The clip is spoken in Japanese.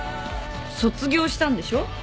卒業したんでしょ。